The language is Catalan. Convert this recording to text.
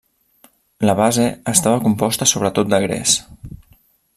La base estava composta sobretot de gres.